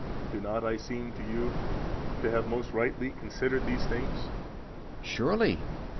Do not I seem to you to have most rightly considered these things? B. Surely.